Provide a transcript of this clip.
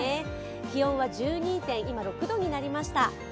気温は１２．６度になりました。